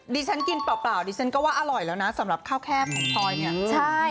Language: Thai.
ดิฉันกินเปล่าดิฉันก็ว่าอร่อยแล้วนะสำหรับข้าวแคบของพลอยเนี่ยใช่